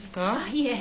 いえ。